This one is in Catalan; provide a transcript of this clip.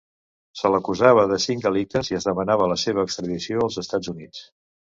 Se l'acusava de cinc delictes i es demanava la seva extradició als Estats Units.